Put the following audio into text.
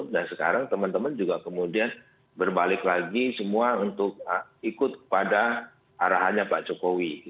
dan sekarang teman teman juga kemudian berbalik lagi semua untuk ikut pada arahannya pak jokowi